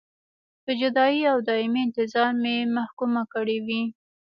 په جدایۍ او دایمي انتظار مې محکومه کړې وې.